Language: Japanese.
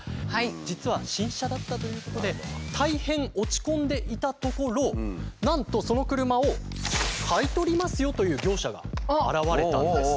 実は新車だったということで大変落ち込んでいたところなんとその車を買い取りますよという業者が現れたんです。